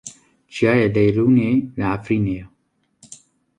Çiyayê Lêlûnê li Efrînê ye.